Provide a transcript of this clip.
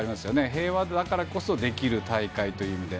平和だからこそできる大会という意味で。